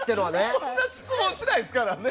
そんな質問しないですからね。